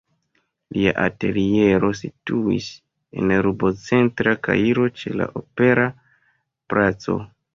Lia ateliero situis en urbocentra Kairo, ĉe la opera placo.